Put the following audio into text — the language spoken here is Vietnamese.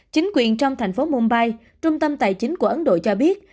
chính quyền trong thành phố mumbai trung tâm tài chính của ấn độ cho biết